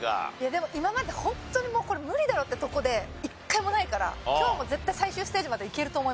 でも今までホントにもうこれ無理だよってとこで一回もないから今日も絶対最終ステージまでいけると思います。